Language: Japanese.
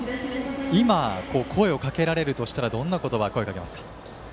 今、声をかけられるとしたらどんな言葉で声をかけますか。